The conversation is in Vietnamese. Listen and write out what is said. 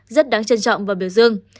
rất đáng trân trọng và biểu dương